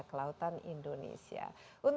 ekspedisi indonesia prima